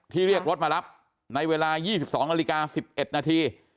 เรียกรถมารับในเวลา๒๒นาฬิกา๑๑นาที